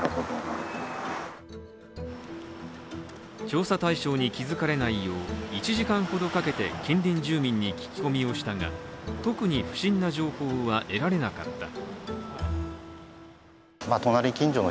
調査対象に気づかれないよう１時間ほどかけて近隣住民に聞き込みをしたが特に不審な情報は得られなかった。